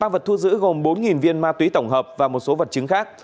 ba vật thu giữ gồm bốn viên ma túy tổng hợp và một số vật chứng khác